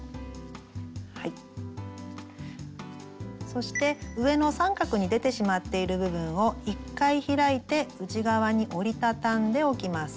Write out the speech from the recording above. そして上の三角に出てしまっている部分を１回開いて内側に折り畳んでおきます。